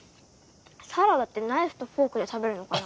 サラダってナイフとフォークで食べるのかな？